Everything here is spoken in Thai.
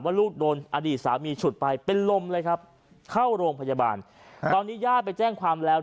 ลูกโดนอดีตสามีฉุดไปเป็นลมเลยครับเข้าโรงพยาบาลตอนนี้ญาติไปแจ้งความแล้ว